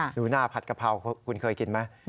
หนูหน้าผัดกะเพราคุณเคยกินไหม